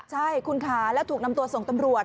ใช่คุณค่ะแล้วถูกนำตัวส่งตำรวจ